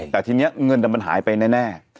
แต่ทีนี้เงินมันหายไปแน่